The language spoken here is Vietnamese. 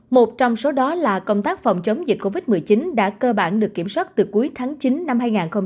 một trong số đó là công tác phòng chống dịch covid một mươi chín đã cơ bản được kiểm soát từ cuối tháng chín năm hai nghìn hai mươi